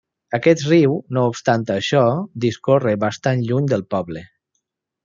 Aquest riu, no obstant això, discorre bastant lluny del poble.